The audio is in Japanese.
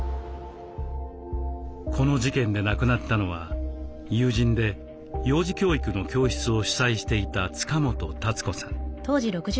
この事件で亡くなったのは友人で幼児教育の教室を主宰していた塚本達子さん。